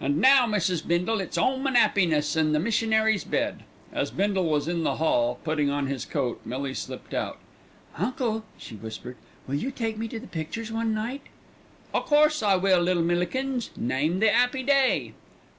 "An' now, Mrs. Bindle, it's 'ome and 'appiness and the missionary's bed." As Bindle was in the hall, putting on his coat, Millie slipped out. "Uncle," she whispered, "will you take me to the pictures one night?" "O' course I will, little Millikins. Name the 'appy day."